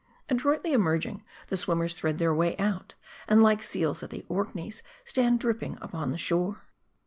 Adroitly emerging 1 , the swim mers thread their way out ; and like seals at the Orkneys, stand dripping upon the shore.